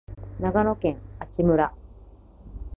長野県阿智村